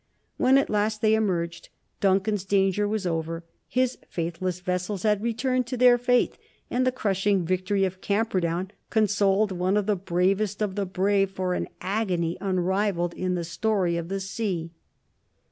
When at last they emerged, Duncan's danger was over; his faithless vessels had returned to their faith, and the crushing victory of Camperdown consoled one of the bravest of the brave for an agony unrivalled in the story of the sea.